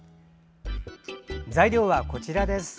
材料はこちらです。